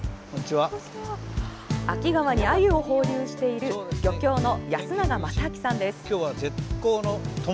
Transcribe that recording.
秋川にアユを放流している漁協の安永勝昭さんです。